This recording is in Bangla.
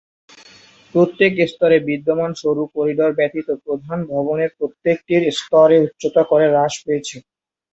প্রত্যেক স্তরে বিদ্যমান সরু করিডর ব্যতীত প্রধান ভবনের প্রত্যেকটির স্তরের উচ্চতা করে হ্রাস পেয়েছে।